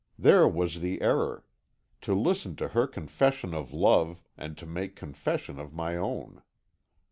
"There was the error. To listen to her confession of love, and to make confession of my own.